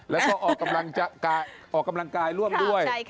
แล้วก็ออกกำลังกายร่วมด้วย